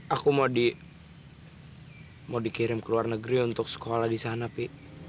aku mau dikirim ke luar negeri untuk sekolah di sana pi